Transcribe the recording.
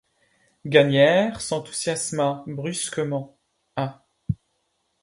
Gagnière s'enthousiasma brusquement, Ah!